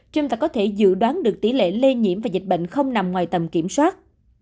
trên cả có thể dự đoán được tỷ lệ lây nhiễm và dịch bệnh không nằm ngoài tầm kiểm soát